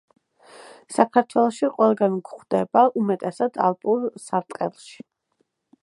საქართველოში ყველგან გვხვდება, უმეტესად ალპურ სარტყელში.